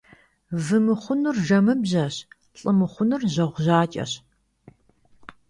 Вы мыхъунур жэмыбжьэщ, лӀы мыхъунур жьэгъу жьакӀэщ.